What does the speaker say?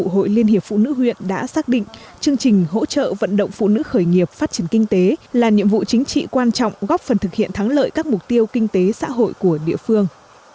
hội liên hiệp phụ nữ huyện đã xác định chương trình hỗ trợ vận động phụ nữ khởi nghiệp phát triển kinh tế là nhiệm vụ chính trị quan trọng góp phần thực hiện thắng lợi các mục tiêu kinh tế xã hội của địa phương